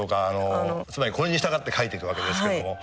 つまりこれに従って書いていくわけですけども。